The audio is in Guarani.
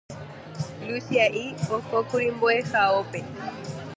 Luchia'i ohókuri mbo'ehaópe